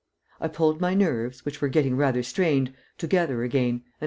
I pulled my nerves, which were getting rather strained, together again, and went to bed.